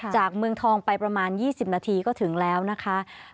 จากเมืองทองไปประมาณ๒๐นาทีก็ถึงแล้วนะคะ